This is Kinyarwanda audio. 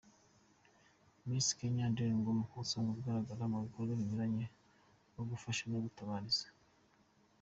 Miss Kenya Idah Nguma, asanzwe agaragara mu bikorwa binyuranye bo gufasha no gutabariza.